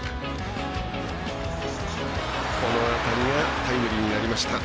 この当たりがタイムリーになりました。